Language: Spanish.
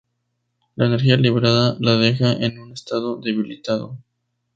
La energía liberada, la deja en un estado debilitado.